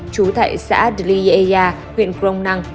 chú tại xã adliyea huyện crong năng